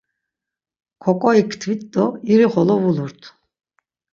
Koǩoitkvit do irixolo vulurt.